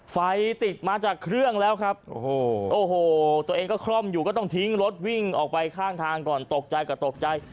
ไฟติดมาจากเครื่องแล้วครับโอ้โหตัวเองก็คล่อมอยู่ก็ต้องทิ้งรถวิ่งออกไปข้างทางก่อนตกใจก็ตกใจ